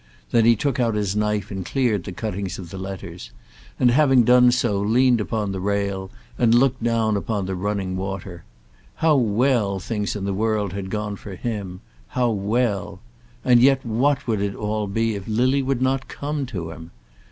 Then he took out his knife and cleared the cuttings of the letters, and having done so, leaned upon the rail, and looked down upon the running water. How well things in the world had gone for him! How well! And yet what would it all be if Lily would not come to him?